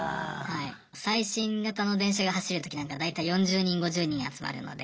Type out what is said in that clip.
最新型の電車が走るときなんか大体４０人５０人集まるので。